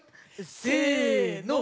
せの！